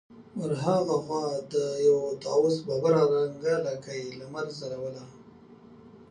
ور هاخوا د يوه طاوس ببره رنګه لکۍ لمر ځلوله.